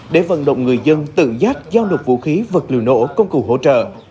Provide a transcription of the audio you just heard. để vận động người dân tự giác giao nộp vũ khí vật liệu nổ công cụ hỗ trợ